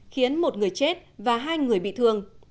khiến một người chết và hai người bị thương